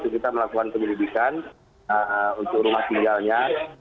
kita melakukan penyelidikan untuk rumah tinggalnya